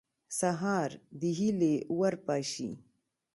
سهار د هیلې ور پاشي.